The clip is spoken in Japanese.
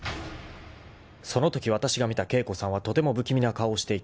［そのときわたしが見た景子さんはとても不気味な顔をしていた］